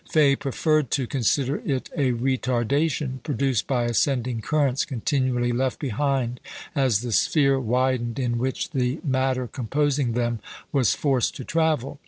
Faye preferred to consider it a retardation produced by ascending currents continually left behind as the sphere widened in which the matter composing them was forced to travel.